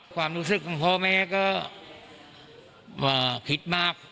ความรู้สึกของพ่อแม่ก็คิดมาก